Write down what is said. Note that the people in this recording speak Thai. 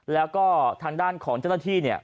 แล้วก็ทางด้านของเจ้าหน้าที่เนี่ย